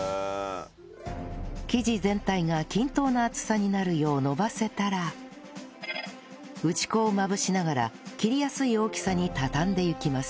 生地全体が均等な厚さになるよう延ばせたら打ち粉をまぶしながら切りやすい大きさに畳んでいきます